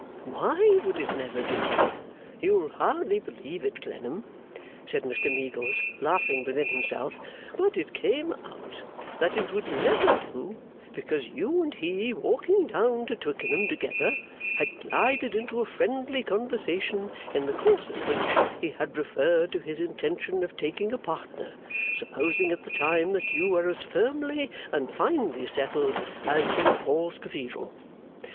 Why would it never do? You'll hardly believe it, Clennam,' said Mr Meagles, laughing within himself, 'but it came out that it would never do, because you and he, walking down to Twickenham together, had glided into a friendly conversation in the course of which he had referred to his intention of taking a partner, supposing at the time that you were as firmly and finally settled as St Paul's Cathedral.